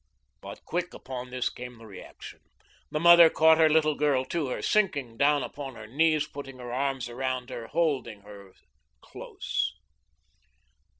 But quick upon this came the reaction. The mother caught her little girl to her, sinking down upon her knees, putting her arms around her, holding her close.